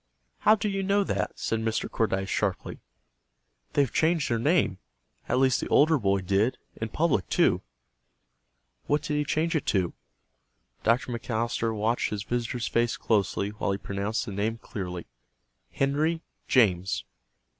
"How do you know that?" said Mr. Cordyce, sharply. "They've changed their name. At least the older boy did. In public, too." "What did he change it to?" Dr. McAllister watched his visitor's face closely while he pronounced the name clearly, "Henry James."